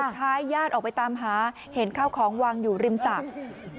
ท้ายญาติออกไปตามหาเห็นข้าวของวางอยู่ริมสระ